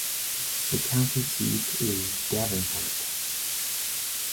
The county seat is Davenport.